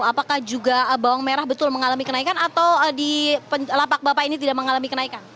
apakah juga bawang merah betul mengalami kenaikan atau di lapak bapak ini tidak mengalami kenaikan